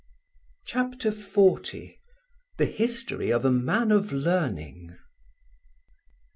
CHAPTER XL THE HISTORY OF A MAN OF LEARNING.